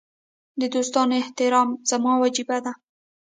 د دوستانو احترام زما وجیبه ده.